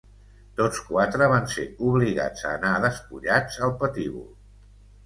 Tots quatre van ser obligats a anar despullats al patíbul.